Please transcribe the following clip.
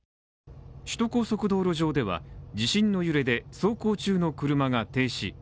首都高速道路上では、地震の揺れで、走行中の車が停止。